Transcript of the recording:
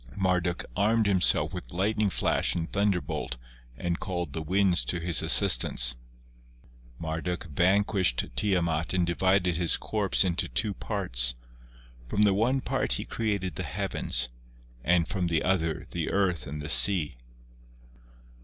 Mar duk armed himself with lightning flash and thunderbolt and called the winds to his assistance. Marduk vanquished Tiamat and divided his corpse into two parts; from the one part he created the heavens and from the other the earth and the sea.